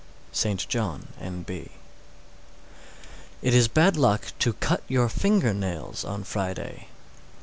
St. John, N.B. 616. It is bad luck to cut your finger nails on Friday.